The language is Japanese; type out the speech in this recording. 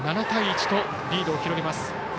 ７対１とリードを広げます。